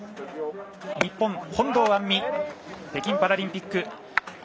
日本、本堂杏実北京パラリンピック